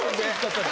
それ。